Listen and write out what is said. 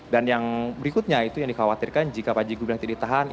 dan yang berikutnya itu yang dikhawatirkan jika panji gumilang tidak ditahan